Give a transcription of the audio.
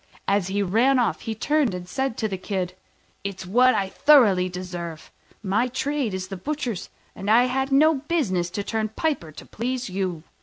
As he ran off, he turned and said to the Kid, "It's what I thoroughly deserve: my trade is the butcher's, and I had no business to turn piper to please you."